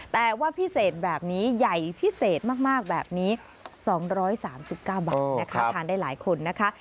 แต่ว่าพิเศษแบบนี้ใหญ่พิเศษมากแบบนี้๒๓๙บาทนะคะทานได้หลายคนนะคะ